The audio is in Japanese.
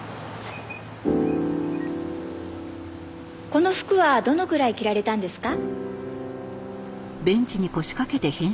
「この服はどのくらい着られたんですか？」